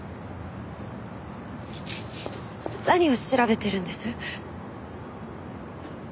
何を調べてるんです？